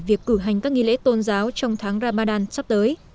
việc cử hành các nghi lễ tôn giáo trong tháng ramadan sắp tới